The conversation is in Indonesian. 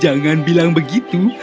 jangan bilang begitu